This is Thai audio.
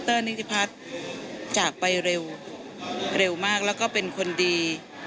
นิติพัฒน์จากไปเร็วเร็วมากแล้วก็เป็นคนดี